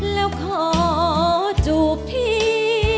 แล้วขอจูบพี่